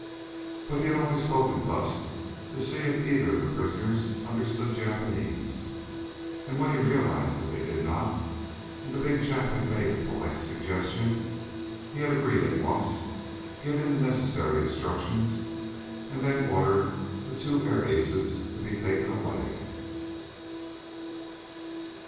But he had only spoken thus to see if either of the prisoners understood Japanese. And when he realized that they did not, and the big Jap had made a polite suggestion, he had agreed at once, given the necessary instructions, and then ordered the two air aces to be taken away.